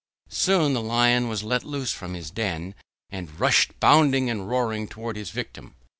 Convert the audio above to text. Soon the Lion was let loose from his den, and rushed bounding and roaring toward his victim.